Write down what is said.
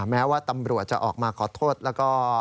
แม้ว่าตำรวจจะออกมาขอโทษแล้วก็